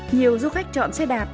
nhiều du khách chọn xe đạp